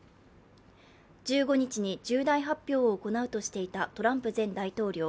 １５日に重大発表を行うとしていたトランプ前大統領。